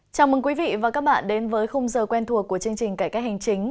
chào mừng quý vị và các bạn đến với khung giờ quen thuộc của chương trình cải cách hành chính